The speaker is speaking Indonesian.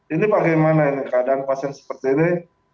ini bagaimana ini keadaan pasien seperti ini